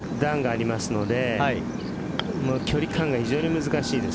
ここに急激な段がありますので距離感が非常に難しいです。